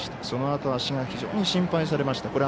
そのあと足が非常に心配されました。